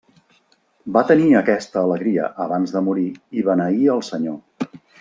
Va tenir aquesta alegria abans de morir i beneí el Senyor.